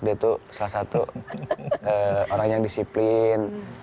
dia tuh salah satu orang yang disiplin